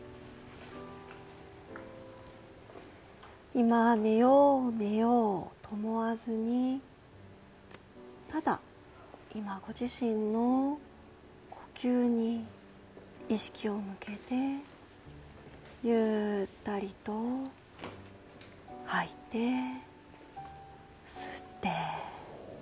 今、寝よう寝ようと思わずにただ、今ご自身の呼吸に意識を向けてゆったりと吐いて、吸って。